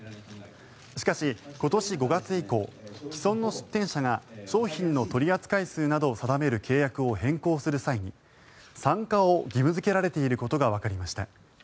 しかし、今年５月以降既存の出店者が商品の取扱数などを定める契約を変更する際に参加を義務付けられていることがわかりました。